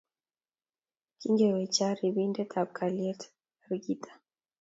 Kingwecha ripindetap kalyet arikta